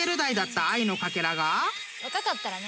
若かったらね